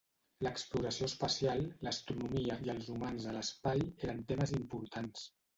L'exploració espacial, l'astronomia i els humans a l'espai eren temes importants.